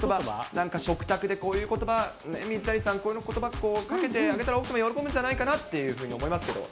なんか食卓でこういうことば、水谷さん、このことばをかけてあげたら、奥様、喜ぶんじゃないかなと思いますけど。